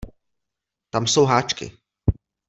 Tam jsou háčky.